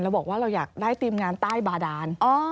บอกว่าเราอยากได้ทีมงานใต้บาดาน